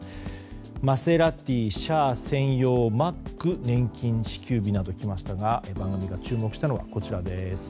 マセラティシャア専用マック年金支給日などきましたが番組が注目したのはこちらです。